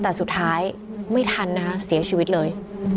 แต่สุดท้ายไม่ทันนะคะเสียชีวิตเลย